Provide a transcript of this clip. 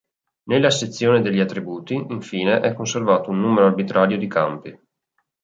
Nella sezione degli attributi, infine, è conservato un numero arbitrario di campi.